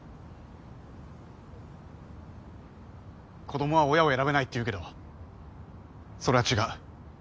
子どもは親を選べないって言うけどそれは違う。